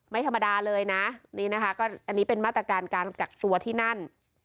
ไม่ธรรมดาเลยนะนี่นะคะก็อันนี้เป็นมาตรการการกักตัวที่นั่น